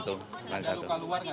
di lantai satu